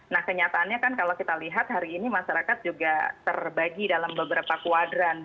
nah kenyataannya kan kalau kita lihat hari ini masyarakat juga terbagi dalam beberapa kuadran